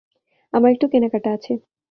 আমার একটু কেনাকাটা আছে।